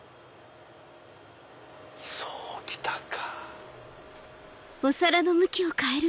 そう来たか。